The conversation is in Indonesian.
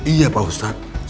iya pak ustadz